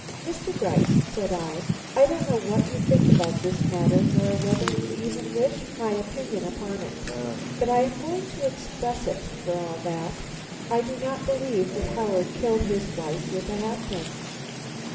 "Mr. Gryce," said I, "I don't know what you think about this matter, nor whether you even wish my opinion upon it. But I am going to express it, for all that. I do not believe that Howard killed his wife with a hat pin."